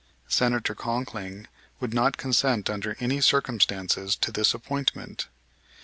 Senator Conkling would not consent under any circumstances to this appointment.